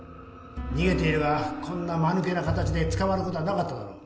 逃げていればこんなまぬけな形で捕まることはなかっただろう